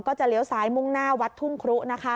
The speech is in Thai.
จะเลี้ยวซ้ายมุ่งหน้าวัดทุ่งครุนะคะ